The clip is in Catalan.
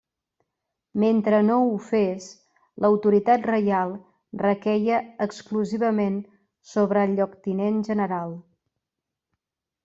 Mentre no ho fes, l’autoritat reial requeia exclusivament sobre el Lloctinent General.